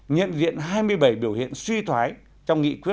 nhận viện hai mươi bảy điều kiện đồng thời có thể đối tượng với các đảng viên